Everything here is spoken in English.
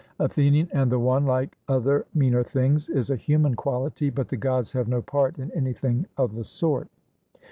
ATHENIAN: And the one, like other meaner things, is a human quality, but the Gods have no part in anything of the sort?